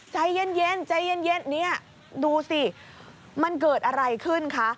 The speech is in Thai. ใจเย็นใจเย็นเนี่ยดูสิมันเกิดอะไรขึ้นคะ